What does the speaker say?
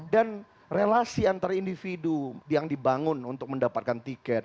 dan relasi antara individu yang dibangun untuk mendapatkan tiket